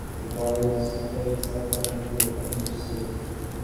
The boys beg Satan to intercede.